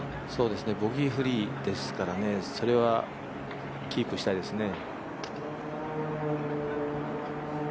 ボギーフリーですからそれはキープしたいですね。